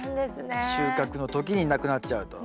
収穫の時になくなっちゃうと。